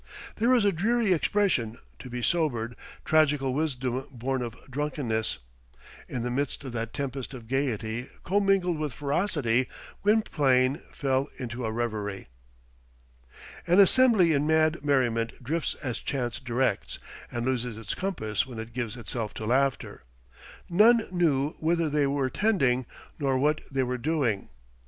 There is a dreary expression to be sobered; tragical wisdom born of drunkenness! In the midst of that tempest of gaiety commingled with ferocity, Gwynplaine fell into a reverie. An assembly in mad merriment drifts as chance directs, and loses its compass when it gives itself to laughter. None knew whither they were tending, or what they were doing.